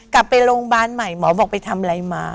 กลับไปโรงพยาบาลใหม่หมอบอกไปทำอะไรมา